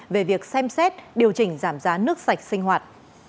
về việc xem xét điều chỉnh giảm giá nước sạch sinh hoạt